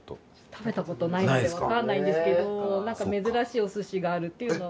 食べた事ないんでわからないんですけどなんか珍しいお寿司があるっていうのは。